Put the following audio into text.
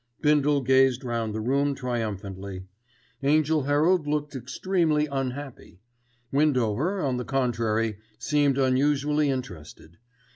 Bindle gazed round the room triumphantly. Angell Herald looked extremely unhappy. Windover, on the contrary, seemed unusually interested.